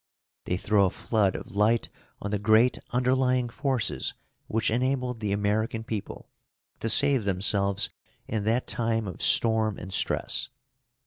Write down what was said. They throw a flood of light on the great underlying forces which enabled the American people to save themselves in that time of storm and stress.